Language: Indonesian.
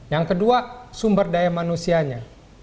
yang kedua sumber daya manusianya